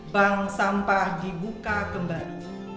bank sampah dibuka kembali